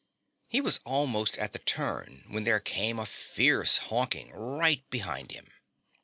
He was almost at the turn when there came a fierce honking right behind him.